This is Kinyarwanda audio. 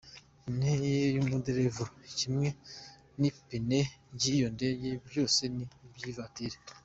Intebe y’umuderevu kimwe n’ipine ry’iyo ndege byose ni iby’ivatiri.